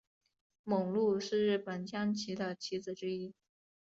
猛鹿是日本将棋的棋子之一。